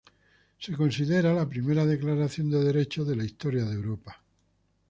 Se considera la primera declaración de derechos de la historia de Europa.